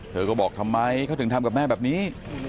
เธอก็บอกทำไมเขาถึงทำกับแม่แบบนี้